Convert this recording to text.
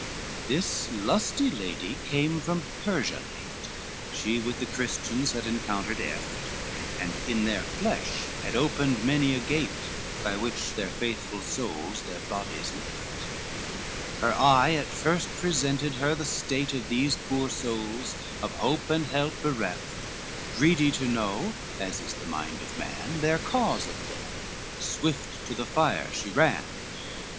XLI This lusty lady came from Persia late, She with the Christians had encountered eft, And in their flesh had opened many a gate, By which their faithful souls their bodies left, Her eye at first presented her the state Of these poor souls, of hope and help bereft, Greedy to know, as is the mind of man, Their cause of death, swift to the fire she ran.